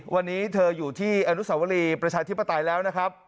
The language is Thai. วันนี้เธออยู่ที่อนุสาวรีประชาธิปไตยแล้วนะครับ